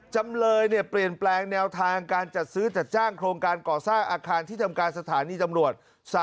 จำเลยเปลี่ยนแปลงแนวทางการจัดซื้อจัดจ้างโครงการก่อสร้างอาคารที่ทำการสถานีตำรวจ